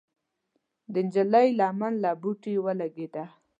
د نجلۍ لمن له بوټي ولګېده.